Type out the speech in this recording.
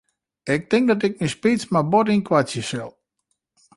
Ik tink dat ik myn speech mar bot ynkoartsje sil.